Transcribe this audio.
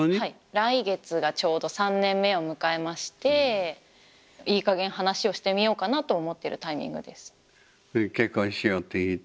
来月がちょうど３年目を迎えましていいかげん話をしてみようかなと思ってるタイミングです。